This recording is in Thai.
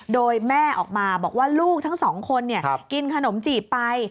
โดยแม่ออกมาบอกว่าลูกทั้งสองคนกินขนมจีบไป